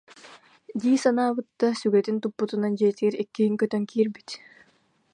дии санаабыт да, сүгэтин туппутунан дьиэтигэр иккиһин көтөн киирбит